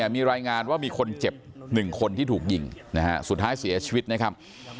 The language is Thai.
มีรายงานว่ามีคนเจ็บ๑คนที่ถูกยิงนะฮะสุดท้ายเสียชีวิตนะครับ